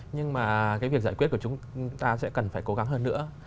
nhưng mà cái việc giải quyết của chúng ta sẽ cần phải cố gắng hơn nữa